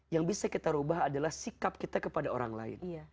yang bisa kita ubah adalah sikap kita kepada orang lain